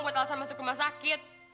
buat alasan masuk rumah sakit